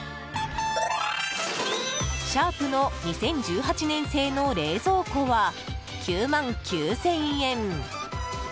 シャープの２０１８年製の冷蔵庫は、９万９０００円。